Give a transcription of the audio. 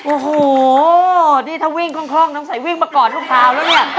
อู้วววนี่ถ้าวิ่งคล้องน้องใส่วิ่งมาก่อนชูภาว